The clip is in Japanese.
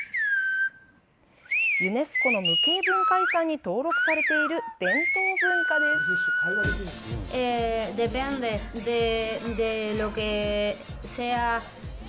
ユネスコの無形文化遺産に登録されている伝統文化です。